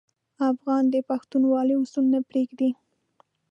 افغان د پښتونولي اصول نه پرېږدي.